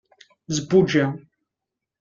zebbuǧa